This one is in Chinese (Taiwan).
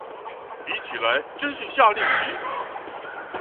比起來真是夏令營